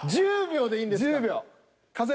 １０秒でいいんですから。